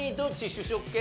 主食系？